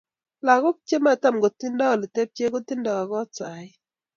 Logok che tam komatindo oletepche kotinda kot saa ii.